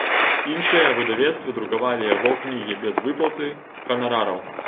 Іншыя выдавецтвы друкавалі яго кнігі без выплаты ганарараў.